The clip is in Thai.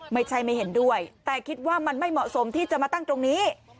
ไม่ใช่ไม่เห็นด้วยแต่คิดว่ามันไม่เหมาะสมที่จะมาตั้งตรงนี้